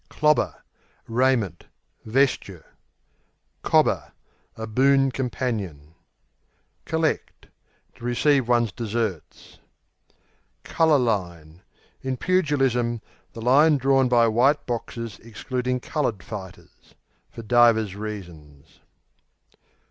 Clobber Raiment; vesture. Cobber A boon companion. Collect To receive one's deserts. Colour line In pugilism, the line drawn by white boxers excluding coloured fighters for divers reasons.